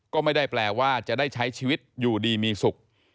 ก็ไม่ได้แปลว่าจะได้ใช้ชีวิตอยู่ดีมีสุข